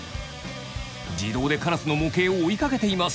自動でカラスの模型を追いかけています。